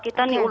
di bagian kanan